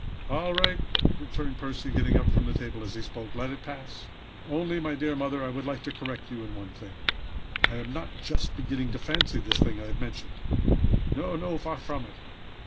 "All right," returned Percy, getting up from the table as he spoke. "Let it pass. Only, my dear mother, I would like to correct you in one thing. I am not just beginning to fancy the thing I have mentioned. No, no: far from it.